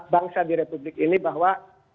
bangsa di republik ini bahwa